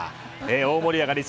大盛り上がり。